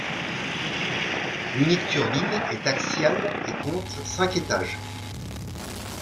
L'unique turbine est axiale et compte cinq étages.